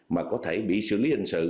mà có thể bị xử lý hình sự